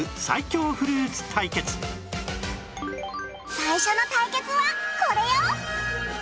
最初の対決はこれよ！